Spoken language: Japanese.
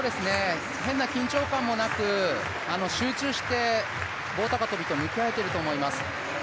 変な緊張感もなく、集中して棒高跳と向き合えていると思います。